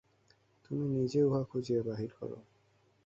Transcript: তুমি নিজে উহা খুঁজিয়া বাহির কর।